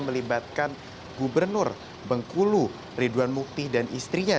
melibatkan gubernur bengkulu ridwan mukti dan istrinya